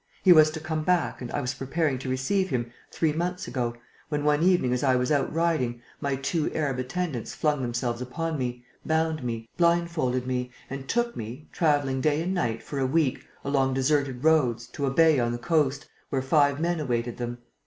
He was to come back and I was preparing to receive him, three months ago, when, one evening as I was out riding, my two Arab attendants flung themselves upon me, bound me, blindfolded me and took me, travelling day and night, for a week, along deserted roads, to a bay on the coast, where five men awaited them.